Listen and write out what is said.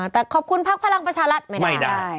แต่ขอบคุณพักพลังประชารัฐไม่ได้